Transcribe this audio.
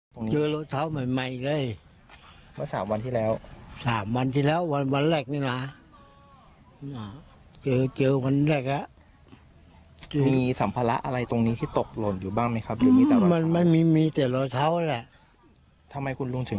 มันใจแต่ว่ามันลงมาจากบ้านมามันไม่ใส่รองเท้าเลย